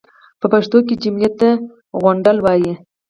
پۀ پښتو کې جملې ته غونډله وایي.